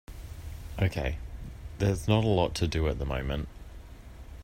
Okay, there is not a lot to do at the moment.